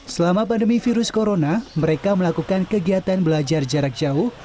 selama pandemi virus corona mereka melakukan kegiatan belajar jarak jauh